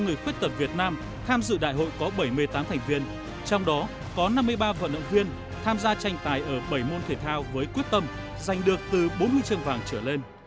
người khuyết tật việt nam tham dự đại hội có bảy mươi tám thành viên trong đó có năm mươi ba vận động viên tham gia tranh tài ở bảy môn thể thao với quyết tâm giành được từ bốn huy chương vàng trở lên